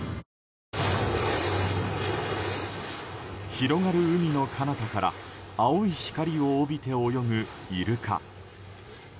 広がる海のかなたから青い光を帯びて泳ぐイルカ。